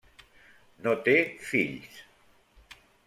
No té fills.